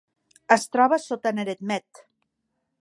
Es troba sota Neredmet.